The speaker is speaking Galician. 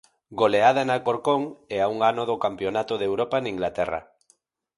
Goleada en Alcorcón e a un ano do Campionato de Europa en Inglaterra.